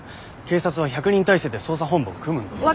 警察は１００人態勢で捜査本部を組むんだぞ。